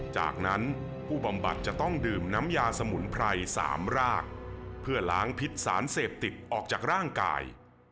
จากนั้นผู้บำบัดจะต้องดื่มน้ำยาสมุนไพร๓รากเพื่อล้างพิษสารเสพติดออกจากร่างกาย